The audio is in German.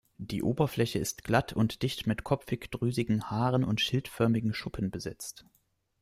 Die Oberfläche ist glatt und dicht mit kopfig-drüsigen Haaren und schildförmigen Schuppen besetzt.